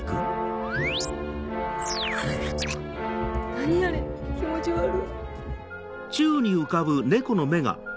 何あれ気持ち悪っ。